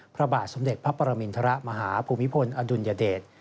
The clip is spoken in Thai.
พระบาทสมเด็จพระปรมินทรมาฮภูมิพลอดุลยเดช